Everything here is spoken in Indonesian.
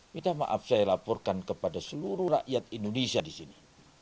minta maaf saya laporkan kepada seluruh rakyat indonesia di sini